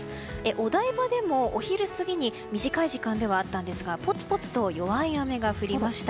お台場でも、お昼過ぎに短い時間ではあったんですがぽつぽつと弱い雨が降りました。